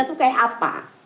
itu kayak apa